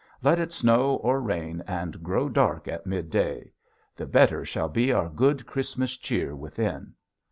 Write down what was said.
Let it snow or rain and grow dark at midday! The better shall be our good Christmas cheer within.